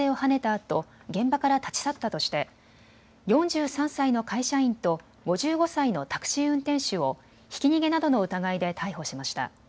あと現場から立ち去ったとして４３歳の会社員と５５歳のタクシー運転手をひき逃げなどの疑いで逮捕しました。